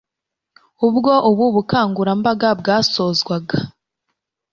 Ubwo ubu bukangurambaga bwasozwaga